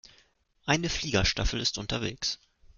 Eine Fliegerstaffel ist unterwegs.